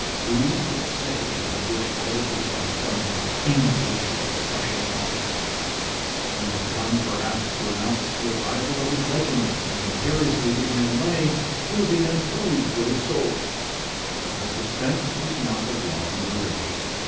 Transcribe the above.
Who could say that this rider was not some English or Prussian officer? He had come, perhaps, to announce the arrival of his regiment, and imperiously demand money, clothing, and food for his soldiers. But the suspense was not of long duration.